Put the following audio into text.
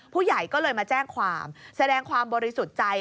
ผู้ใหญ่ก็เลยมาแจ้งความแสดงความบริสุทธิ์ใจ